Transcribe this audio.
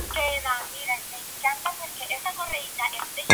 Finalmente decide cortarse la antena para poder vivir con Fry.